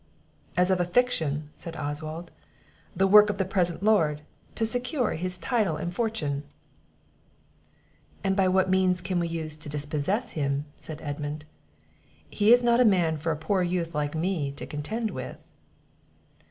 "As of a fiction," said Oswald; "the work of the present lord, to secure his title and fortune." "And what means can we use to dispossess him?" said Edmund; "He is not a man for a poor youth like me to contend with."